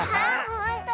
ほんとだ。